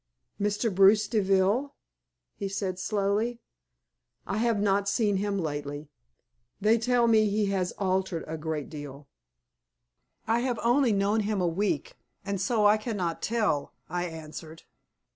"Mr. Bruce Deville?" he said, slowly. "I have not seen him lately; they tell me he has altered a great deal." "I have only known him a week, and so I cannot tell," I answered.